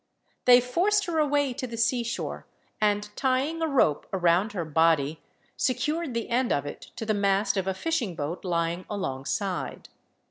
They forced her away to the sea shore, and tying a rope around her body, secured the end of it to the mast of a fishing boat lying alongside.